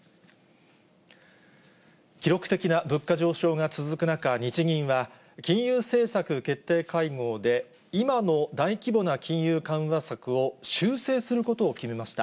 記録的な物価上昇が続く中、日銀は金融政策決定会合で、今の大規模な金融緩和策を修正することを決めました。